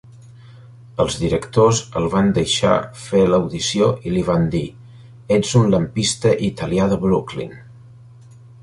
Els directors el van deixar fer l'audició i li van dir: "Ets un lampista italià de Brooklyn".